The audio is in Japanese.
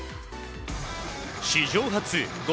史上初５